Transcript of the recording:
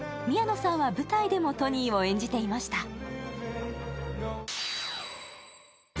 宮野さんは舞台でもトニーを演じていました。